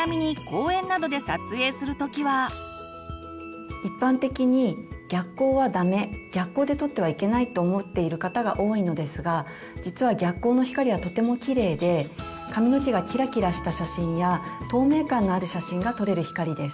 ちなみに一般的に逆光はダメ逆光で撮ってはいけないと思っている方が多いのですが実は逆光の光はとてもきれいで髪の毛がキラキラした写真や透明感のある写真が撮れる光です。